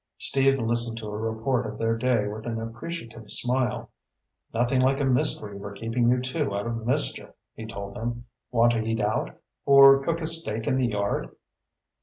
Steve listened to a report of their day with an appreciative smile. "Nothing like a mystery for keeping you two out of mischief," he told them. "Want to eat out? Or cook a steak in the yard?"